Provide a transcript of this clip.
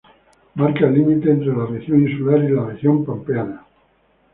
Marca el límite entre la región insular y la región pampeana.